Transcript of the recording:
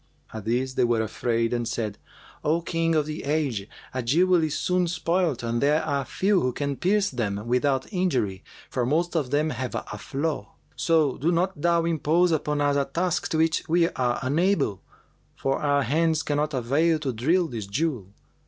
At this they were afraid and said, 'O King of the age, a jewel is soon spoilt and there are few who can pierce them without injury, for most of them have a flaw. So do not thou impose upon us a task to which we are unable; for our hands cannot avail to drill this jewel.